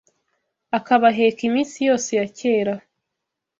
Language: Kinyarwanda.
akabaheka iminsi yose ya kera